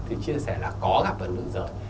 thì chia sẻ là có gặp ở nữ giới